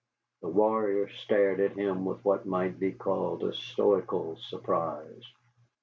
The warriors stared at him with what might be called a stoical surprise.